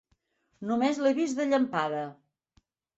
Només l'he vist de llampada.